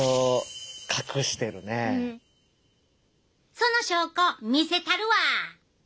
その証拠見せたるわ。